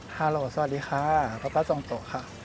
ฮาโหลสวัสดีค่ะพระพระส่องโตะค่ะ